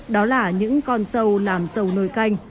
đó là những con sâu làm sầu nồi canh